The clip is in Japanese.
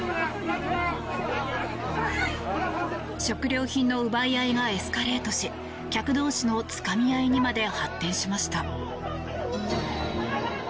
食料品の奪い合いがエスカレートし客同士のつかみ合いにまで発展しました。